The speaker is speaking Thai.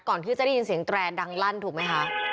ก่อนที่จะได้ยินเสียงแตรดังลั่นถูกไหมคะ